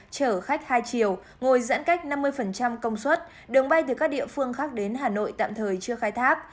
chở khách hai chiều ngồi giãn cách năm mươi công suất đường bay từ các địa phương khác đến hà nội tạm thời chưa khai thác